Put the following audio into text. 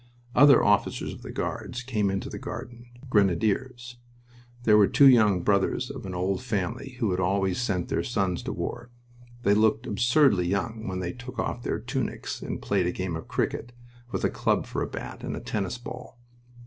Other officers of the Guards came into the garden Grenadiers. There were two young brothers of an old family who had always sent their sons to war. They looked absurdly young when they took off their tunics and played a game of cricket, with a club for a bat, and a tennis ball.